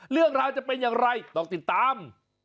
เรื่องราวจะเป็นอย่างไรต้องติดตาม